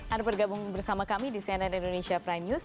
anda bergabung bersama kami di cnn indonesia prime news